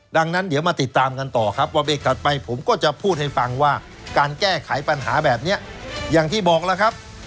ดังนั้นเดี๋ยวมาติดตามกันต่อครับว่าเบรกถัดไปผมก็จะพูดให้ฟังว่าการแก้ไขปัญหาแบบนี้อย่างที่บอกแล้วครับ